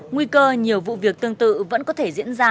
nguy cơ nhiều vụ việc tương tự vẫn có thể diễn ra